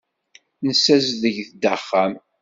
Nessazdeg-d axxam.